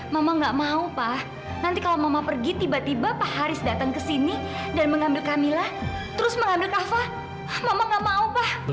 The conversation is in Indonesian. mama gak mau pa nanti kalau mama pergi tiba tiba pa haris datang ke sini dan mengambil kamila terus mengambil kava mama gak mau pa